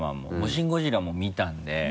「シン・ゴジラ」も見たんで。